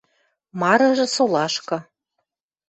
Марыжы солашкы